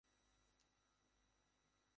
আমাদের দেখে কি বোকা মনে হয়?